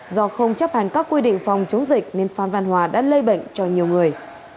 do không chấp hành các quy định phòng chống dịch nên phan văn hòa đã lây bệnh cho nhiều người